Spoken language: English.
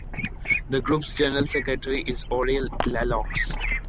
The group’s general secretary is Aurelie Laloux.